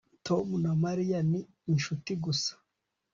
Tom na Mariya ni inshuti gusa